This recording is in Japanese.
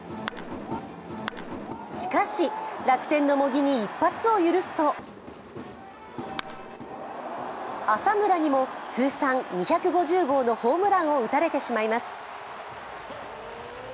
しかし、楽天の茂木に一発を許すと浅村にも通算２５０号のホームランを打たれてしまいます。